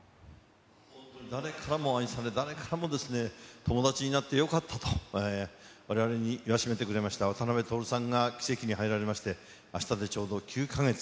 誰からも愛され、誰からも友達になってよかったと、われわれに言わしめてくれました渡辺徹さんが鬼籍に入られまして、あしたでちょうど９か月。